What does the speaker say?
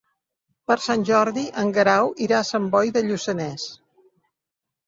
Per Sant Jordi en Guerau irà a Sant Boi de Lluçanès.